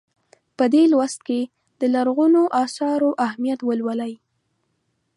په دې لوست کې د لرغونو اثارو اهمیت ولولئ.